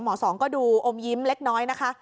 สองก็ดูอมยิ้มเล็กน้อยนะคะ